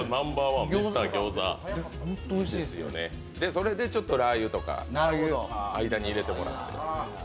それでラー油とか間に入れてもらって。